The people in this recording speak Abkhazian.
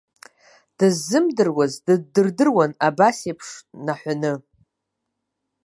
Дыззымдыруаз дыддырдыруан абасеиԥш наҳәаны.